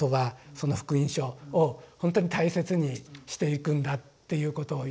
その「福音書」をほんとに大切にしていくんだということを言った。